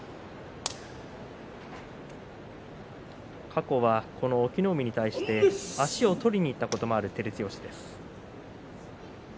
過去は隠岐の海に対して足を取りにいったこともある照強です。